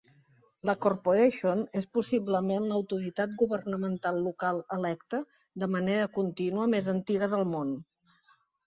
La Corporation és, possiblement, l'autoritat governamental local electa de manera contínua més antiga del món.